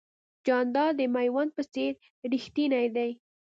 جانداد د مېوند په څېر رښتینی دی.